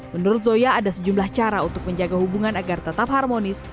menurut zoya ada sejumlah cara untuk menjaga hubungan agar tetap harmonis